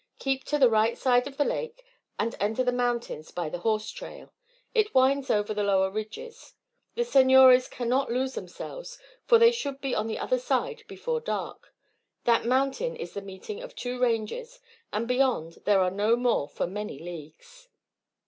Keep to the right of the lake, and enter the mountains by the horse trail. It winds over the lower ridges. The senores cannot lose themselves, for they should be on the other side before dark that mountain is the meeting of the two ranges and beyond there are no more for many leagues.